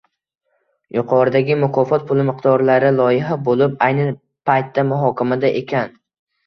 Yuqoridagi mukofot puli miqdorlari loyiha boʻlib, ayni paytda muhokamada ekan.